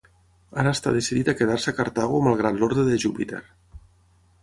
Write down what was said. Ara està decidit a quedar-se a Cartago malgrat l'ordre de Júpiter.